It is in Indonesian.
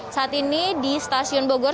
saat ini di stasiun bogor